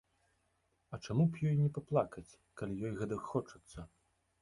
А чаму б ёй не паплакаць, калі ёй гэтак хочацца.